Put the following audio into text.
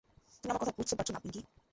তুমি আমার কথা বুঝতে পারছ না, পিঙ্কি।